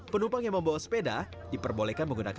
penumpang yang membawa sepeda diperbolehkan menggunakan